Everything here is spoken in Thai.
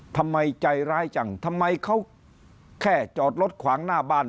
ทำไมใจร้ายจังทำไมเขาแค่จอดรถขวางหน้าบ้าน